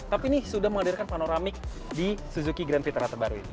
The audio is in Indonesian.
tapi ini sudah menghadirkan panoramik di suzuki grand vitara terbaru ini